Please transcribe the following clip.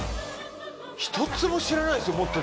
一つも知らないですよ